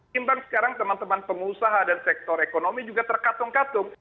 timbang sekarang teman teman pengusaha dan sektor ekonomi juga terkatung katung